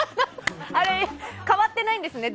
あれ変わってないんですね